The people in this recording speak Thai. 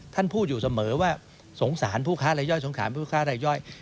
ท่านพูดอยู่เสมอว่าสงสารผู้ค้ารายย่อยสงสารผู้ค้ารายย่อย